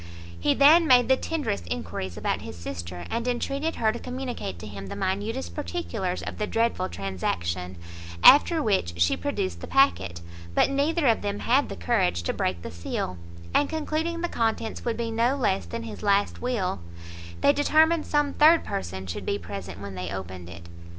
He then made the tenderest enquiries about his sister, and entreated her to communicate to him the minutest particulars of the dreadful transaction; after which, she produced the packet, but neither of them had the courage to break the seal; and concluding the contents would be no less than his last will, they determined some third person should be present when they opened it.